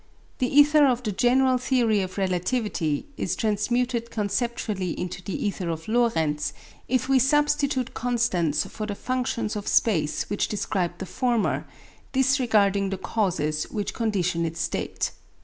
The ether of the general theory of relativity is transmuted conceptually into the ether of Lorentz if we substitute constants for the functions of space which describe the former, disregarding the causes which condition its state.